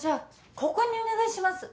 ここにお願いします